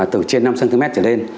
từ trên năm cm trở lên